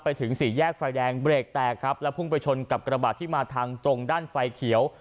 ไปถึงสี่แยกไฟแดงเบรกแตกครับแล้วพุ่งไปชนกับกระบาดที่มาทางตรงด้านไฟเขียว